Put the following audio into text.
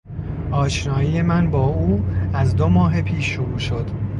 آشنایی من با او از دو ماه پیش شروع شد.